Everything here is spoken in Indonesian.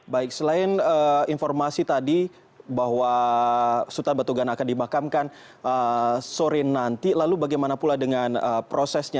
baik selain informasi tadi bahwa sultan batu gana akan dimakamkan sore nanti lalu bagaimana pula dengan prosesnya